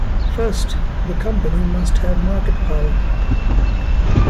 First, the company must have market power.